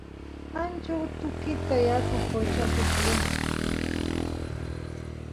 ancha utukita yaku qochapi tiyan